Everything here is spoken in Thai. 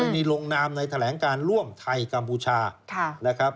มีลงนามในแถลงการร่วมไทยกัมพูชานะครับ